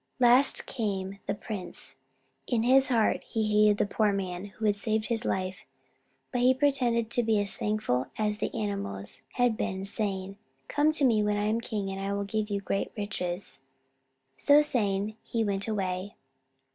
Last came the prince. In his heart he hated the poor man who had saved his life. But he pretended to be as thankful as the animals had been, saying, "Come to me when I am king, and I will give you great riches." So saying, he went away.